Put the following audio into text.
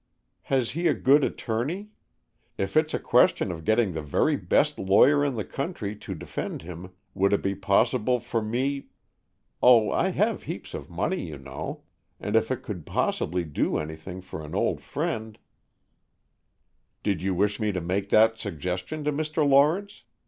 "Has he a good attorney? If it's a question of getting the very best lawyer in the country to defend him, would it be possible for me Oh, I have heaps of money, you know, and if it could possibly do anything for an old friend " "Did you wish me to make that suggestion to Mr. Lawrence?"